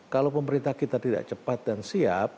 kalau pemerintah kita tidak cepat dan siap